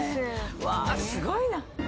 うわすごいな。